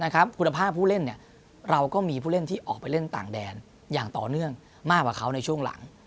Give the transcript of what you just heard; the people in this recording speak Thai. คุณภาพผู้เล่นเราก็มีผู้เล่นที่ออกไปเล่นต่างแดนอย่างต่อเนื่องมากกว่าเขาในช่วงหลัง